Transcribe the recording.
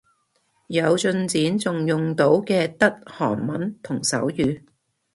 有進展仲用到嘅得韓文同手語